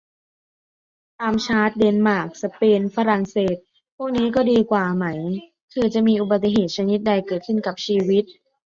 ตามชาร์ต เดนมาร์ก สเปน ฝรั่งเศส พวกนี้ก็ดีกว่าไหม คือจะมีอุบัติเหตุชนิดใดเกิดขึ้นกับชีวิต